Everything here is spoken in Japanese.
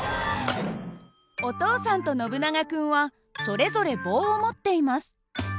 お父さんとノブナガ君はそれぞれ棒を持っています。